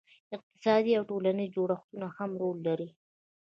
اقتصادي او ټولنیز جوړښتونه هم رول لري.